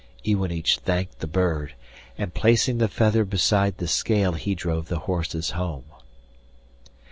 Iwanich thanked the bird, and placing the feather beside the scale he drove the horses home.